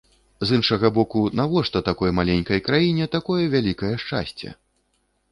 З іншага боку, навошта такой маленькай краіне такое вялікае шчасце?